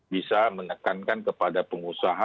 bisa menekankan kepada pengusaha